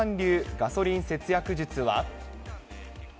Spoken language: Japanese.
ガソリン節約術は。